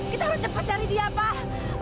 kita harus cepat cari dia pak